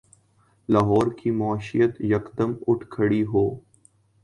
لاہور کی معیشت یکدم اٹھ کھڑی ہو۔